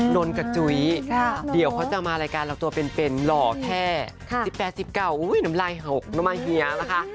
นนกับจุ้ยเดี๋ยวเขาจะมารายการเราตัวเป็นหล่อแค่๑๘๑๙น้ำลายหกน้ำมันเฮียนะคะ